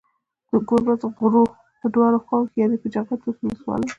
د گوربت غروه په دواړو خواوو يانې په جغتو ولسوالۍ